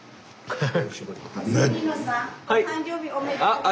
はい。